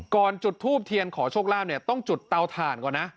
จุดทูบเทียนขอโชคลาภเนี่ยต้องจุดเตาถ่านก่อนนะ